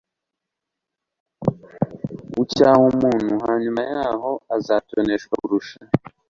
Ucyaha umuntu h nyuma yaho azatoneshwa kurusha